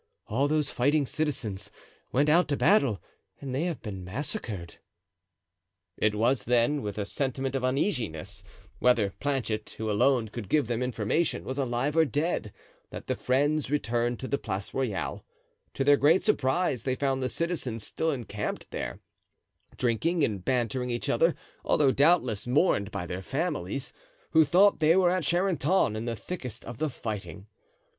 All those fighting citizens went out to battle and they have been massacred." It was, then, with a sentiment of uneasiness whether Planchet, who alone could give them information, was alive or dead, that the friends returned to the Place Royale; to their great surprise they found the citizens still encamped there, drinking and bantering each other, although, doubtless, mourned by their families, who thought they were at Charenton in the thickest of the fighting.